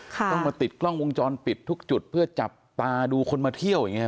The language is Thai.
ต้องมาติดกล้องวงจรปิดทุกจุดเพื่อจับตาดูคนมาเที่ยวอย่างนี้